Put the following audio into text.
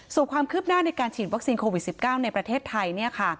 ส่วนความคืบหน้าในการฉีดวัคซีนโควิด๑๙ในประเทศไทย